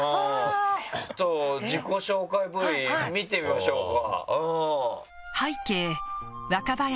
ちょっと自己紹介ＶＴＲ見てみましょうか。